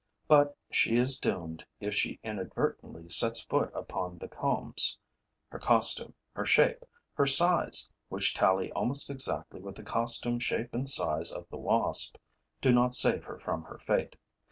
But she is doomed if she inadvertently sets foot upon the combs. Her costume, her shape, her size, which tally almost exactly with the costume, shape and size of the wasp, do not save her from her fate.